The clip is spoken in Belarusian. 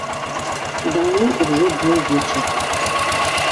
Даўно ўжо быў вечар.